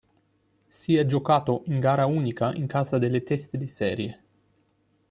Si è giocato in gara unica in casa delle teste di serie.